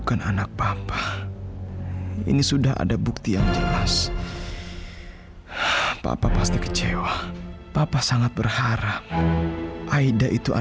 kamu ngapain disini ada pularas disitu